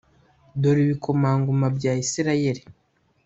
Dore ibikomangoma bya Isirayeli,